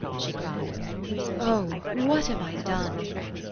' she cried. " Oh ! what have I done?"